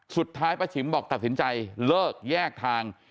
สุดท้ายป้าฉิมบอกตัดสินใจเลิกแยกทาง